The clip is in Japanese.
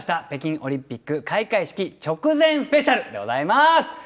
「北京オリンピック開会式直前スペシャル」でございます。